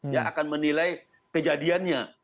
dia akan menilai kejadiannya